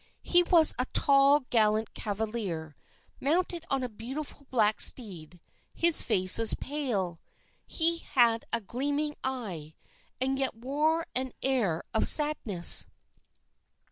He was a tall, gallant cavalier, mounted on a beautiful black steed. His face was pale. He had a gleaming eye, and yet wore an air of sadness.